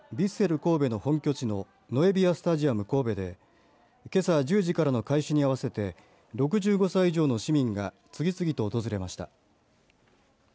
神戸の本拠地のノエビアスタジアム神戸でけさ１０時からの開始に合わせて６５歳以上の市民が次々と訪れました。